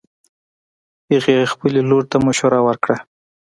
هغې خبلې لور ته مشوره ورکړه